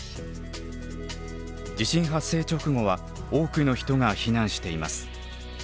地震発生直後は多くの人が避難しています。